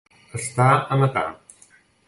Estar a matar.